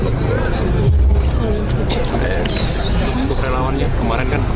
untuk relawannya kemarin kan